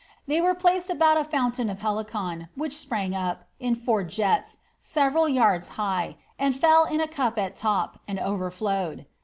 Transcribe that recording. They were placed about a fountain of Helicon, which sprung up, in four jets, several yards high, and fell in a cup at lop, and overflowed.